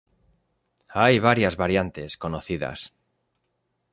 Hay varias variantes conocidas.